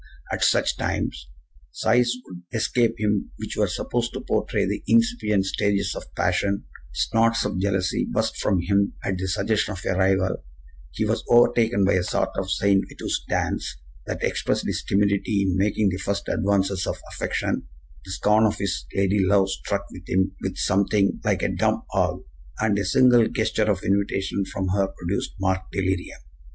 At such times sighs would escape him which were supposed to portray the incipient stages of passion; snorts of jealousy burst from him at the suggestion of a rival; he was overtaken by a sort of St. Vitus's dance that expressed his timidity in making the first advances of affection; the scorn of his ladylove struck him with something like a dumb ague; and a single gesture of invitation from her produced marked delirium.